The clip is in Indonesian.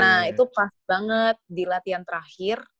nah itu pas banget di latihan terakhir